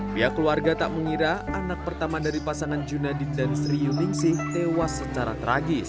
pihak keluarga tak mengira anak pertama dari pasangan junadit dan sri yuningsih tewas secara tragis